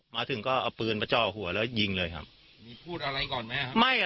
มาถึงก็เอาปืนมาจ่อหัวแล้วยิงเลยครับมีพูดอะไรก่อนไหมครับ